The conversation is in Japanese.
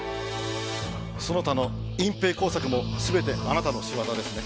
その他の隠蔽工作も全てあなたの仕業ですね？